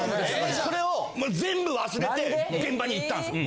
それをもう全部忘れて現場に行ったんですよ！